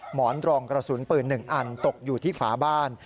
หมอนรองกระสุนปืน๑อันตกอยู่ที่ฝาบ้าน